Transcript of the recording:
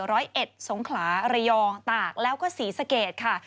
ร้อยเอ็ดสงขลาระยองตากแล้วก็ศรีสะเกดค่ะ